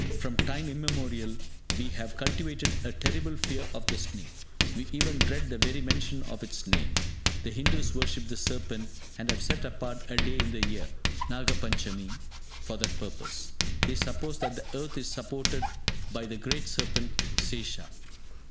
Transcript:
From time immemorial we have cultivated a terrible fear of the snake; we even dread the very mention of its name. The Hindus worship the serpent, and have set apart a day in the year (Nagapanchami) for that purpose. They suppose that the earth is supported by the great serpent Sesha.